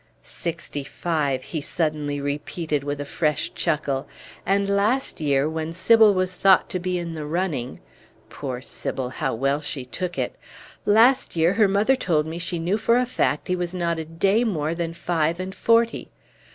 "Sixty five!" he suddenly repeated, with a fresh chuckle; "and last year, when Sybil was thought to be in the running poor Sybil, how well she took it! last year her mother told me she knew for a fact he was not a day more than five and forty!